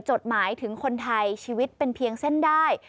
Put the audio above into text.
จดหมายถึงคนไทยชีวิตเป็นเพียงเส้นได้